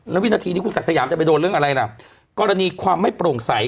แล้ววินาทีนี้คุณศักดิ์สยามจะไปโดนเรื่องอะไรล่ะกรณีความไม่โปร่งใส